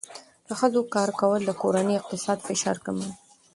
د ښځو کار کول د کورنۍ اقتصادي فشار کموي.